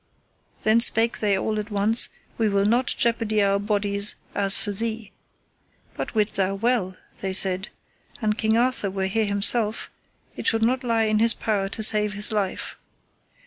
Then spake they all at once: We will not jeopardy our bodies as for thee. But wit thou well, they said, an King Arthur were here himself, it should not lie in his power to save his life.